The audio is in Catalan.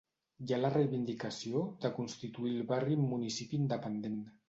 Hi ha la reivindicació de constituir el barri en municipi independent.